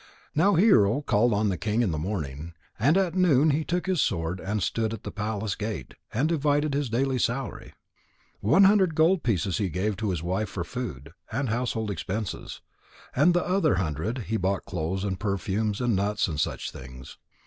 Now Hero called on the king in the morning, and at noon he took his sword and stood at the palace gate and divided his daily salary. One hundred gold pieces he gave to his wife for food and household expenses. And with another hundred he bought clothes and perfumes and nuts and such things.